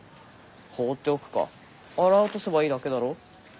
放っておくか洗い落とせばいいだけだろ？